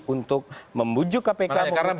untuk membujuk kpk untuk mengutarkan rekaman ini